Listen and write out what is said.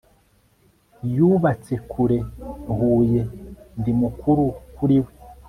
yubatse kuri huye, ndi mukuru kuri we